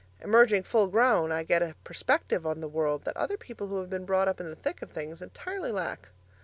Emerging full grown, I get a perspective on the world, that other people who have been brought up in the thick of things entirely lack.